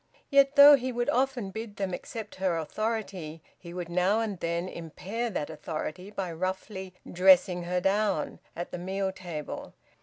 Yet, though he would often bid them accept her authority, he would now and then impair that authority by roughly `dressing her down' at the meal table.